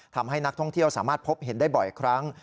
ทำให้นักท่องเที่ยวสามารถพบเห็นได้บ่อยครั้ง